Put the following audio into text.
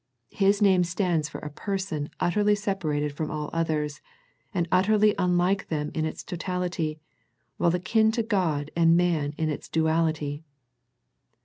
His name stands for a Person utterly separated from all others, and utterly unlike them in its totality, while akin to God and man in its duality.